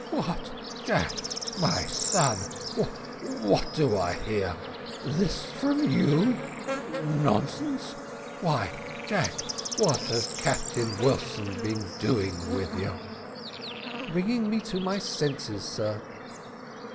"What, Jack! my son what do I hear? This from you nonsense! Why, Jack, what has Captain Wilson been doing with you?" "Bringing me to my senses, sir."